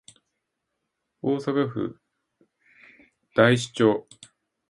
大阪府太子町